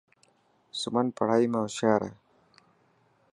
سمن پڙهائي ۾ هوشيار هي.